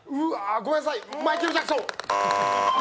ごめんなさい、マイケル・ジャクソン？